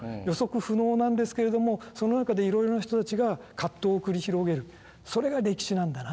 予測不能なんですけれどもその中でいろいろな人たちが葛藤を繰り広げるそれが歴史なんだな。